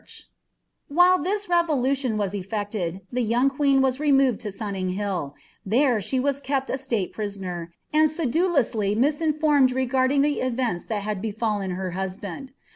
^H While this revolution was ellecieil. ihe young queen was removed to ^| SuflRing Hilli diBr« she was kept a state prisoner, and sedulously mi»> ^H ioforiDed regarding iho events ihat had befullcn her husband.